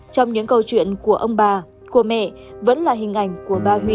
trong những câu chuyện của ông bà của mẹ vẫn là hình ảnh của bà huy